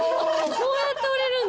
そうやって下りるんだ。